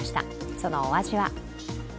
そのお味は？